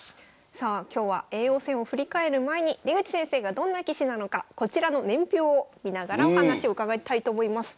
さあ今日は叡王戦を振り返る前に出口先生がどんな棋士なのかこちらの年表を見ながらお話を伺いたいと思います。